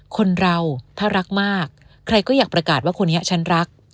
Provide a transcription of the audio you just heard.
คนเราถ้ารักมากใครก็อยากประกาศว่าคนนี้ฉันรัก